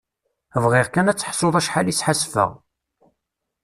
Bɣiɣ kan ad teḥsuḍ acḥal i sḥassfaɣ.